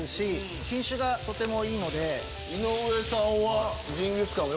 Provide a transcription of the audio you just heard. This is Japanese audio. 井上さんは。